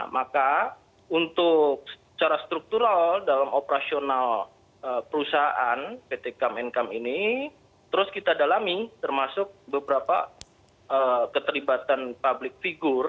maka untuk secara struktural dalam operasional perusahaan pt kemen kamen ini terus kita dalami termasuk beberapa keterlibatan publik figur ya